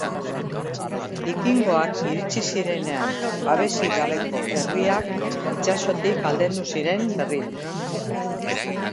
Bikingoak iritsi zirenean, babesik gabeko herriak itsasotik aldendu ziren berriro.